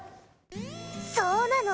そうなの。